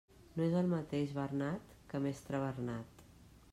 No és el mateix Bernat que mestre Bernat.